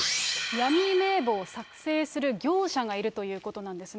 闇名簿を作成する業者がいるということなんですね。